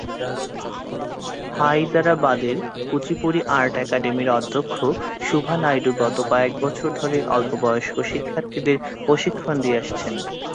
হায়দরাবাদের Kuchipudi art একাডেমির অধ্যক্ষ, শোভা নাইডু, গত কয়েক বছর ধরে অল্প বয়স্ক শিক্ষার্থীদের প্রশিক্ষণ দিয়ে আসছেন।